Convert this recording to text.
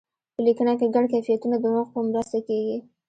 په لیکنه کې ګڼ کیفیتونه د نښو په مرسته کیږي.